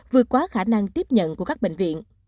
vượt quá khả năng tiếp nhận của các bệnh viện